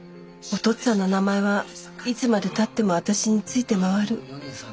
お父っつぁんの名前はいつまでたっても私に付いて回る。